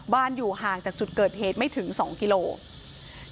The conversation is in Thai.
อยู่ห่างจากจุดเกิดเหตุไม่ถึง๒กิโลกรัม